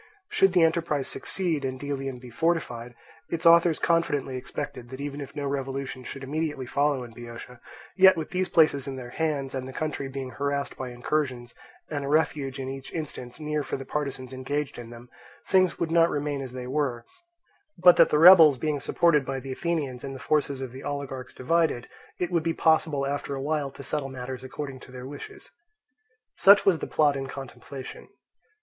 Should the enterprise succeed, and Delium be fortified, its authors confidently expected that even if no revolution should immediately follow in Boeotia, yet with these places in their hands, and the country being harassed by incursions, and a refuge in each instance near for the partisans engaged in them, things would not remain as they were, but that the rebels being supported by the Athenians and the forces of the oligarchs divided, it would be possible after a while to settle matters according to their wishes. Such was the plot in contemplation.